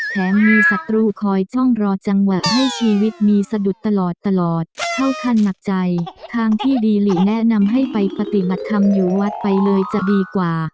แถมมีศัตรูคอยจ้องรอจังหวะให้ชีวิตมีสะดุดตลอดตลอดเข้าขั้นหนักใจทางที่ดีหลีแนะนำให้ไปปฏิบัติธรรมอยู่วัดไปเลยจะดีกว่า